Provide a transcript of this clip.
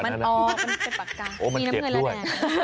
โหมันเจ็บด้วย